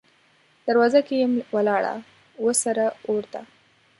دروازه کې یم ولاړه، وه سره اور ته